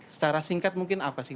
secara singkat mungkin apa sih